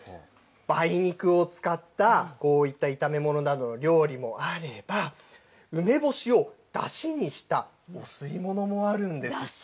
梅肉を使ったこういった炒め物などの料理もあれば、梅干しをだしにしたお吸い物もあるんですって。